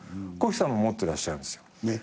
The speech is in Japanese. コヒさんも持ってらっしゃいますよ。